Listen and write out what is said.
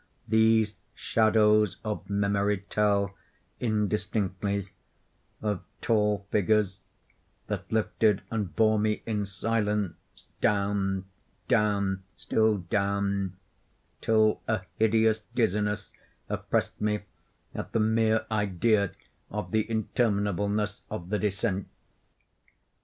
These shadows of memory tell, indistinctly, of tall figures that lifted and bore me in silence down—down—still down—till a hideous dizziness oppressed me at the mere idea of the interminableness of the descent.